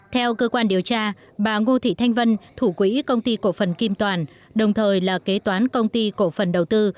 theo cơ quan điều tra bà ngô thị thanh vân thủ quỹ công ty cổ phần kim toàn đồng thời là kế toán công ty cổ phần đầu tư